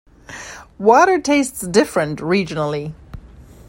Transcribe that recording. Water tastes different regionally.